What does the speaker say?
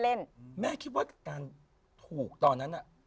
แล้วแม่ไม่คิดว่าตอโน้แรคะถูกตอนนั้นอะ